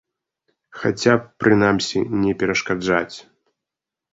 Хаця б, прынамсі, не перашкаджаць.